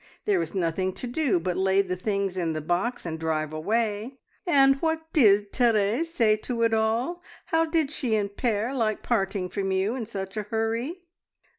There was nothing to do but lay the things in the box and drive away." "And what did Therese say to it all? How did she and Pere like parting from you in such a hurry?"